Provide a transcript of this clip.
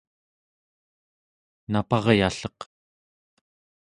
naparyalleq